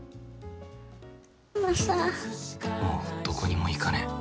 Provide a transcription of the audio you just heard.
もう、どこにも行かねぇ。